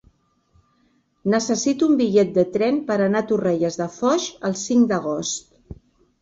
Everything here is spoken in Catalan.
Necessito un bitllet de tren per anar a Torrelles de Foix el cinc d'agost.